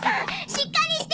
しっかりして！